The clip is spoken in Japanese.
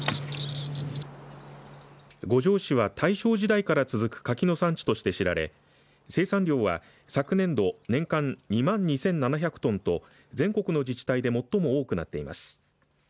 五條市は、大正時代から続く柿の産地として知られ生産量は、昨年度年間２万２７００トンと全国の自治体で最も多くなっています。